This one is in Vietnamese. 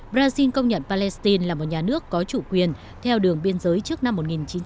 brazil công nhận palestine là một nhà nước có chủ quyền theo đường biên giới trước năm một nghìn chín trăm bảy mươi